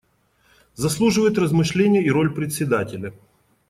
Заслуживает размышления и роль Председателя.